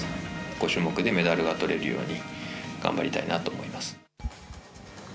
５種目でメダルがとれるように頑張りたいなと思います。